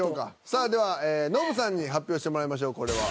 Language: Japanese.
さあではノブさんに発表してもらいましょうこれは。